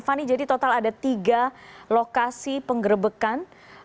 fani jadi total ada tiga lokasi penggerbekan